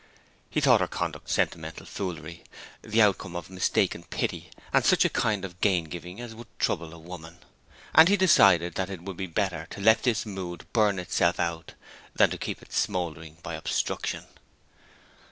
He thought her conduct sentimental foolery, the outcome of mistaken pity and 'such a kind of gain giving as would trouble a woman;' and he decided that it would be better to let this mood burn itself out than to keep it smouldering by obstruction.